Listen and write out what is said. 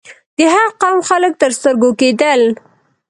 د هر قوم خلک تر سترګو کېدل.